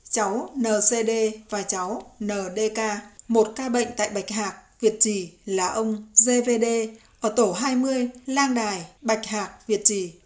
cháu ncd và cháu ndk một ca bệnh tại bạch hạc việt trì là ông gvd ở tổ hai mươi lang đài bạch hạc việt trì